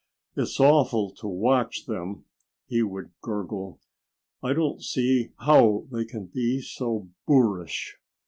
"It's awful to watch them!" he would gurgle. "I don't see how they can be so boorish."